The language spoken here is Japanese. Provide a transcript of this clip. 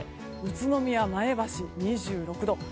宇都宮、前橋２６度。